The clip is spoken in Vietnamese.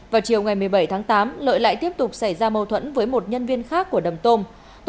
vào chiều ngày một mươi bảy tháng tám lợi lại tiếp tục xảy ra mâu thuẫn với một nhân viên khác của đầm tôm